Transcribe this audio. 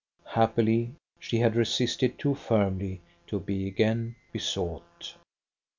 Happily, she had resisted too firmly to be again besought.